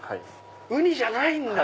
ウニじゃないんだ！